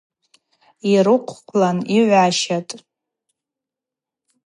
Йрыквхъвлан йгӏващатӏ.